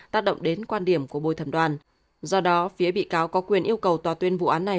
tác động đến quan điểm của bồi thẩm đoàn do đó phía bị cáo có quyền yêu cầu tòa tuyên vụ án này